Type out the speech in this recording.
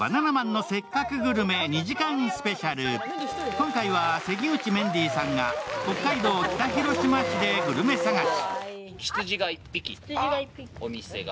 今回は関口メンディーさんが北海道北広島市でグルメ探し。